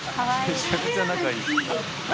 めちゃくちゃ仲いい。